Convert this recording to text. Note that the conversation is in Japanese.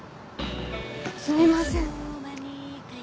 すみません。